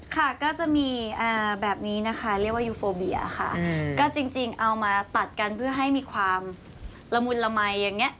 ค่ะก็จะมีแบบนี้นะคะเรียกว่ายูโฟเบียค่ะก็จริงเอามาตัดกันเพื่อให้มีความละมุนละมัยอย่างนี้